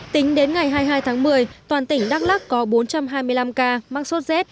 tính đến ngày hai mươi hai tháng một mươi toàn tỉnh đắk lắc có bốn trăm hai mươi năm ca mắc sốt rét